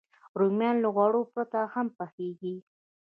رومیان له غوړو پرته هم پخېږي